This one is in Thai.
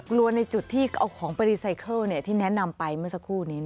ในจุดที่เอาของไปรีไซเคิลที่แนะนำไปเมื่อสักครู่นี้